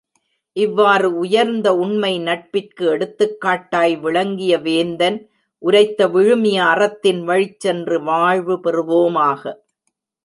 இவ்வாறு உயர்ந்த உண்மை நட்பிற்கு எடுத்துக்காட்டாய் விளங்கிய வேந்தன் உரைத்த விழுமிய அறத்தின் வழிச்சென்று வாழ்வு பெறுவோமாக!